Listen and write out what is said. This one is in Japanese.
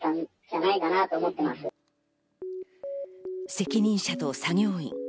責任者と作業員。